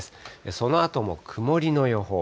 そのあとも曇りの予報。